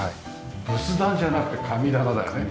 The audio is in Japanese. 仏壇じゃなくて神棚だよね。